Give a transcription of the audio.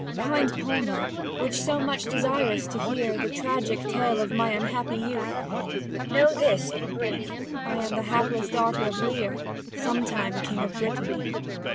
60 Cor. Kind palmer, which so much desir'st to hear The tragic tale of my unhappy youth : Know this in brief, I am the hapless daughter Of Leir, sometime king of Brittany.